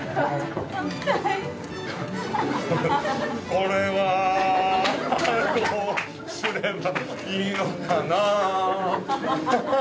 これはどうすればいいのかな。